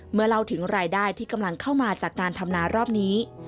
เล่าถึงรายได้ที่กำลังเข้ามาจากการทำนารอบนี้